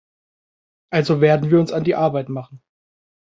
Also werden wir uns an die Arbeit machen.